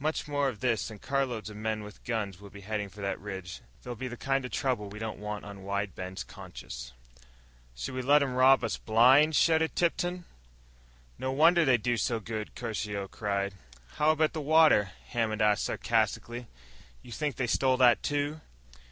Much more of this and carloads of men with guns will be heading for the ridge. There'll be the kind of trouble we don't want on Wide Bend's conscience." "Should we let 'em rob us blind?" shouted Tipton. "No wonder they do so good!" Caruso cried. "How about the water?" Hammond asked sarcastically. "You think they stole that, too?"